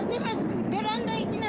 ベランダ行きな！